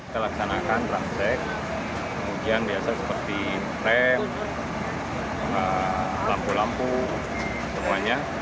kita laksanakan ramsek kemudian biasa seperti rem lampu lampu semuanya